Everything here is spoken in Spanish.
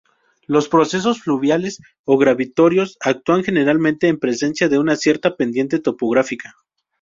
Los procesos fluviales o gravitatorios actúan generalmente en presencia de una cierta pendiente topográfica.